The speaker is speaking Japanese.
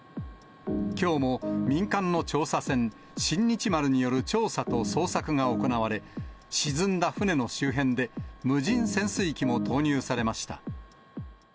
きょうも民間の調査船、新日丸による調査と捜索が行われ、沈んだ船の周辺で、無人潜水機も投入されました。